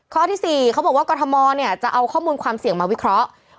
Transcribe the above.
ข้อที่๔เขาบอกว่ากรทมเนี่ยจะเอาข้อมูลความเสี่ยงมาวิเคราะห์